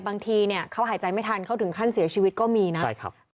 บางทีเขาหายใจไม่ทันเขาถึงขั้นเสียชีวิตก็มีนะ